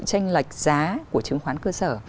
tranh lệch giá của chứng khoán cơ sở